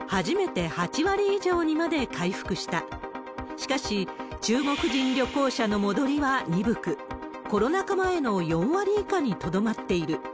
ほかの国は、中国人旅行者の戻りは鈍く、コロナ禍前の４割以下にとどまっている。